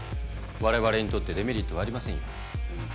我々にとってデメリットはありませんよ。